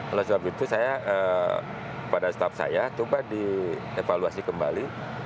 oleh sebab itu saya pada staff saya coba dievaluasi kembali